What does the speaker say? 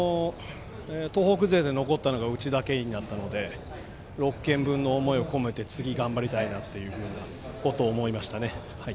東北勢で残ったのがうちだけになったので６県分の思いを込めて、次頑張りたいなということを思いましたね。